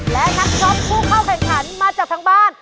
และนักช็อปผู้เข้าแข่งขันมาจากทางบ้าน